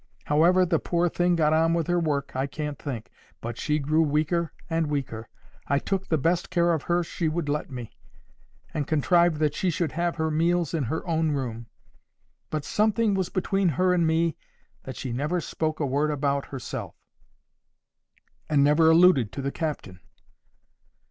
How ever the poor thing got on with her work, I can't think, but she grew weaker and weaker. I took the best care of her she would let me, and contrived that she should have her meals in her own room; but something was between her and me that she never spoke a word about herself, and never alluded to the captain.